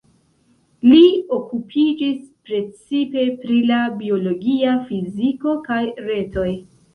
Li okupiĝis precipe pri la biologia fiziko kaj retoj.